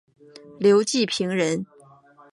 刘季平人。